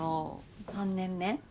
３年目。